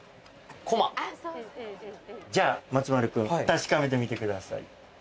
じゃあ松丸君確かめてみてください。